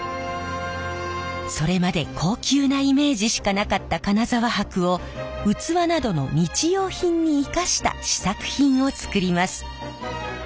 それまで高級なイメージしかなかった金沢箔を器などの日用品に生かした試作品を作ります。